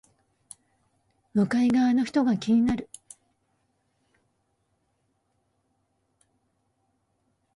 向かい側の人が気になる